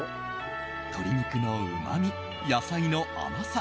鶏肉のうまみ、野菜の甘さ。